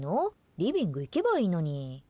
リビング行けばいいのに。